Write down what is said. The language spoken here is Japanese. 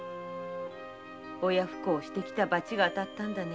「親不孝をしてきた罰が当たったんだね」